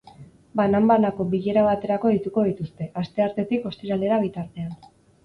Banan-banako bilera baterako deituko dituzte, asteartetik ostiralera bitartean.